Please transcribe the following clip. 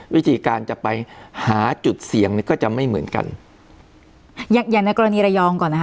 วิธีการจะไปหาจุดเสี่ยงเนี่ยก็จะไม่เหมือนกันอย่างอย่างในกรณีระยองก่อนนะคะ